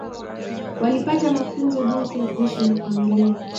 Walipata mafunzo jinsi ya kuishi na familia